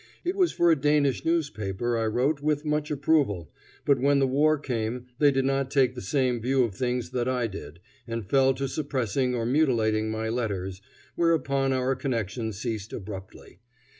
It was for a Danish newspaper I wrote with much approval, but when the war came, they did not take the same view of things that I did, and fell to suppressing or mutilating my letters, whereupon our connection ceased abruptly.